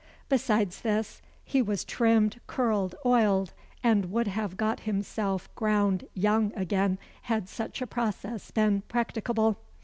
Besides this, he was trimmed, curled, oiled, and would have got himself ground young again, had such a process been practicable.